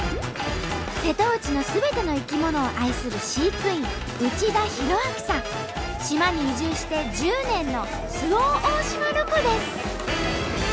瀬戸内のすべての生き物を愛する飼育員島に移住して１０年の周防大島ロコです。